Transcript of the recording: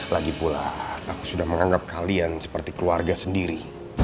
lagi pula aku sudah menganggap kalian seperti keluarga sendiri